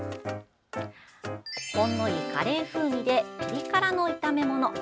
ほんのりカレー風味でピリ辛の炒め物。